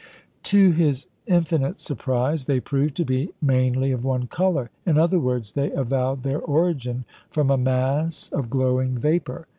To his infinite surprise, they proved to be mainly of one colour. In other words, they avowed their origin from a mass of glowing vapour.